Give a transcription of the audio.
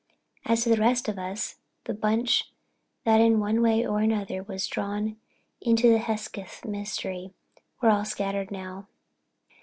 As to the rest of us—the bunch that in one way or another were drawn into the Hesketh mystery—we're all scattered now.